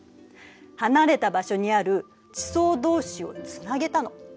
離れた場所にある地層同士をつなげたの。